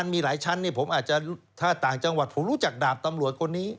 มีหลายชั้นผมอาจจะถ้าต่างจังหวัดผมรู้จักดาบตำรวจคนนี้